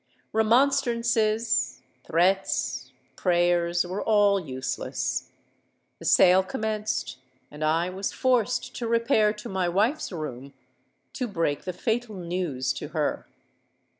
Remonstrances—threats—prayers were all useless: the sale commenced;—and I was forced to repair to my wife's room to break the fatal news to her.